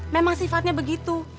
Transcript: memang sifatnya begitu